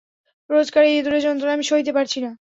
রোজকার এই ইঁদুরের যন্ত্রণা আমি সইতে পারছি না।